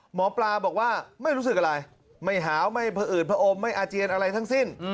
หมอปลาบอกว่าไม่รู้สึกอะไรไม่หาวไม่ผอืดผอมไม่อาเจียนอะไรทั้งสิ้น